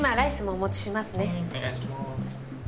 お願いします。